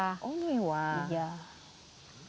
kalau ng ojek itu punya motor